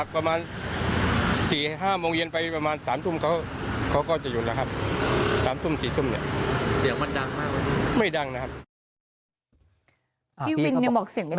พี่วินมอเตอร์ไซค์บอกเสียงไม่ดังเลย